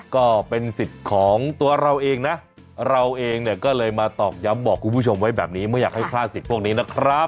ก็เป็นสิทธิ์ของตัวเราเองนะเราเองเนี่ยก็เลยมาตอกย้ำบอกคุณผู้ชมไว้แบบนี้ไม่อยากให้พลาดสิทธิ์พวกนี้นะครับ